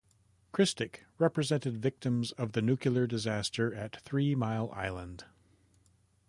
Christic represented victims of the nuclear disaster at Three Mile Island.